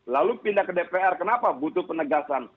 lalu pindah ke dpr kenapa butuh penegasan